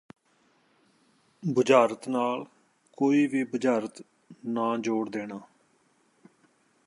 ਬੁਝਾਰਤ ਨਾਲ਼ ਕੋਈ ਨਵੀਂ ਬੁਝਾਰਤ ਨਾ ਜੋੜ ਦੇਣਾ